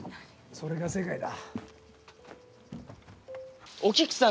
それが世界だ。